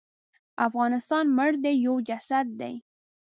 افغانستان مړ دی یو جسد دی.